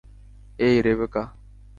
এই, রেবেকা।